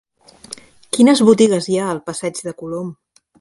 Quines botigues hi ha al passeig de Colom?